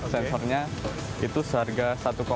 sensornya itu seharga satu tujuh juta